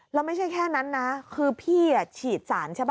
แล้วไม่ใช่แค่นั้นนะคือพี่ฉีดสารใช่ป่